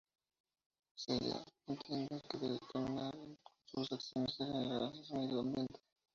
Celia entiende que debe encaminar sus acciones a regenerar ese sórdido ambiente.